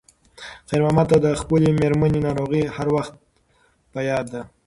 خیر محمد ته د خپلې مېرمنې ناروغي هر وخت په یاد وه.